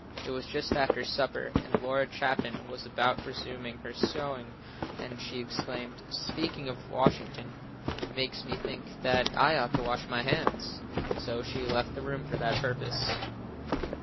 It was just after supper and Laura Chapin was about resuming her sewing and she exclaimed, "Speaking of Washington, makes me think that I ought to wash my hands," so she left the room for that purpose.